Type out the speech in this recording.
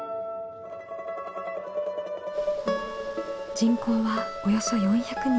人口はおよそ４００人。